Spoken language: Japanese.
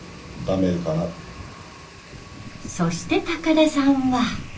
そして高田さんは。